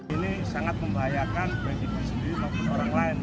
ini sangat membahayakan bagi diri sendiri maupun orang lain